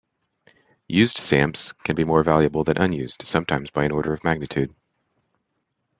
Used stamps can be more valuable than unused, sometimes by an order of magnitude.